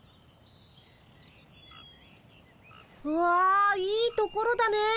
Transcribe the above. わあいいところだねえ。